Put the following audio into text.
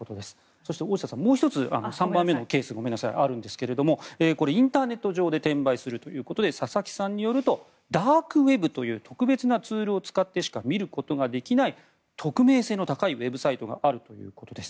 そして大下さん３番目のケースもありますがインターネット上で転売するということで佐々木さんによるとダークウェブという特別なツールを使ってしか見ることができない匿名性の高いウェブサイトがあるということです。